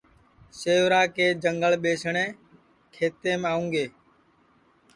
سیوراکے جنگݪ ٻیسٹؔیں کھیتینٚم آؤں گے